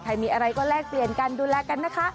มีอะไรก็แลกเปลี่ยนกันดูแลกันนะคะ